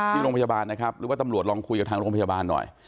ที่โรงพยาบาลนะครับหรือว่าตำรวจลองคุยกับทางโรงพยาบาลหน่อย